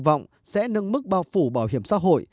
và kỳ vọng sẽ nâng mức bao phủ bảo hiểm xã hội